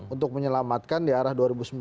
untuk menyelamatkan di arah dua ribu sembilan belas